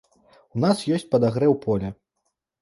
У нас ёсць падагрэў поля.